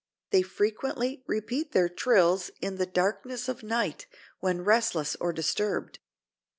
They "frequently repeat their trills in the darkness of night when restless or disturbed."